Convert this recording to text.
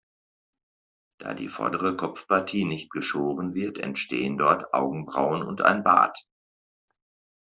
Da die vordere Kopfpartie nicht geschoren wird, entstehen dort Augenbrauen und ein Bart.